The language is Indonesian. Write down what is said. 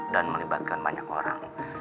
dan melibatkan banyak orang